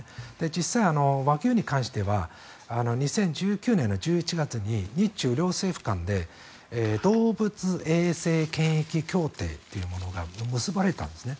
実際、和牛に関しては２０１９年の１１月に日中両政府間で動物衛生検疫協定というものが結ばれたんですね。